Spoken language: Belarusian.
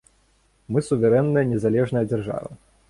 Мы суверэнная незалежная дзяржава.